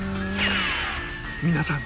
皆さん